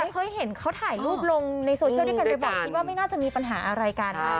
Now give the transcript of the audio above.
เคยเห็นเขาถ่ายรูปลงในโซเชียลด้วยกันบ่อยคิดว่าไม่น่าจะมีปัญหาอะไรกัน